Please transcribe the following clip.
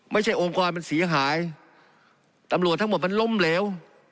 ไม่ใช่องค์กรมันเสียหายตำรวจทั้งหมดมันล้มเหลว